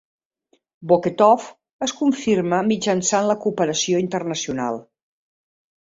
Buketov es confirma mitjançant la cooperació internacional.